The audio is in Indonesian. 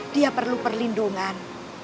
dia perlu perlindungan